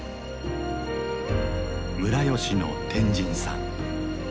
村吉の天神さん。